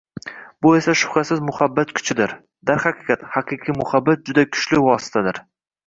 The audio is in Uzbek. Bu esa shubhasiz muhabbat kuchidir! Darhaqiqat, haqiqiy muhabbat juda kuchli vositadir